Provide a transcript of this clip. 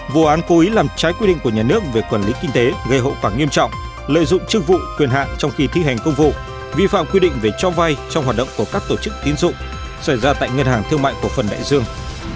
vụ án cố ý làm trái quy định của nhà nước về quản lý kinh tế gây hậu quả nghiêm trọng lợi dụng chức vụ quyền hạn trong khi thi hành công vụ vi phạm quy định về cho vay trong hoạt động của các tổ chức tiến dụng xảy ra tại ngân hàng thương mại cổ phần đại dương